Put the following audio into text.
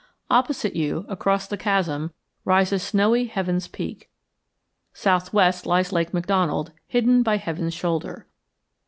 Opposite you, across the chasm, rises snowy Heavens Peak. Southwest lies Lake McDonald, hidden by Heavens' shoulder.